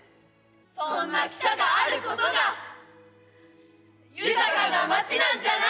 そんな汽車があることが豊かな町なんじゃない？